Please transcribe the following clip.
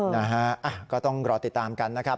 นะฮะก็ต้องรอติดตามกันนะครับ